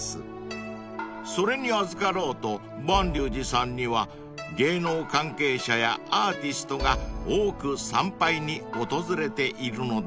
［それにあずかろうと蟠龍寺さんには芸能関係者やアーティストが多く参拝に訪れているのだとか］